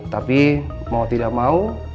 tapi mau tidak mau